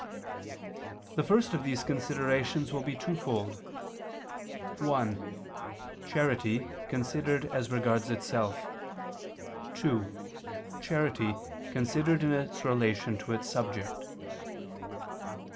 The first of these considerations will be twofold: (1) Charity, considered as regards itself; (2) Charity, considered in its relation to its subject.